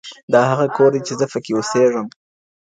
دا هغه کور دی چي زه پکي اوسېږم.